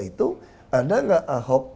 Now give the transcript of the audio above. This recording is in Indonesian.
itu ada tidak ahok